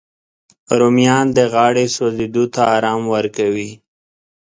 رومیان د غاړې سوځېدو ته ارام ورکوي